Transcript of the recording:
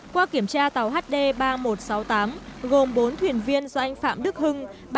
qua kiểm tra tàu hd ba nghìn một trăm sáu mươi tám gồm bốn thuyền viên do anh phạm đức hưng